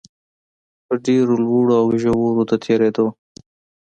په ډېرو لوړو او ژورو د تېرېدو